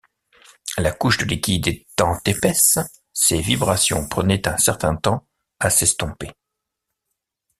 La couche de liquide étant épaisse, ces vibrations prenaient un certain temps à s'estomper.